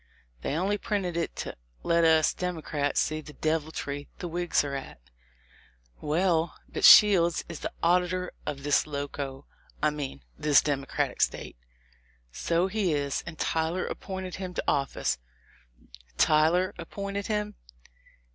They only printed it to let us Democrats see the deviltry the Whigs are at." "Well, but Shields is the auditor of this Loco — I mean this Democratic State." "So he is, and Tyler appointed him to office." "Tyler appointed him?"